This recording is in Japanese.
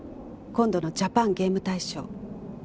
今度のジャパンゲーム大賞